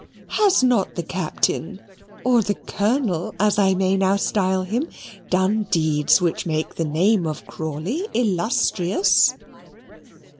"Has not the Captain or the Colonel as I may now style him done deeds which make the name of Crawley illustrious?"